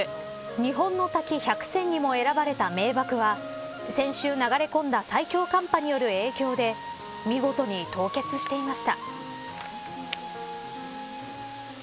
日本の滝百選にも選ばれた名瀑は先週、流れ込んだ最強寒波による影響で見事に凍結していました。